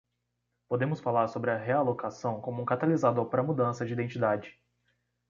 Podemos falar sobre a realocação como um catalisador para a mudança de identidade.